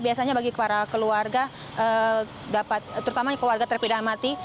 biasanya bagi para keluarga terutama keluarga terpidana mati